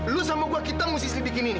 lo sama gua kita mesti sendiri bikin ini